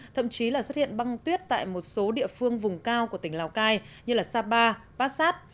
thậm chí là xuất hiện băng tuyết tại một số địa phương vùng cao của tỉnh lào cai như sapa bát sát